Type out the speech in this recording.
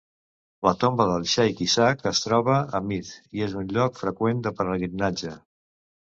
La tomba del Sheikh Isaaq es troba a Mydh i és un lloc freqüent de pelegrinatge.